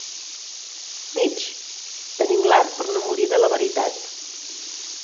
Nietzsche: tenim l'art per no morir de la veritat.